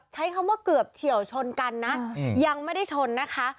ใช้คำว่าเกือบเฉียวชนกันนะยังไม่ได้ชนนะคะ